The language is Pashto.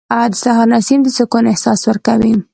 • د سهار نسیم د سکون احساس ورکوي.